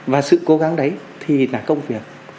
và sự cố gắng đấy thì là công việc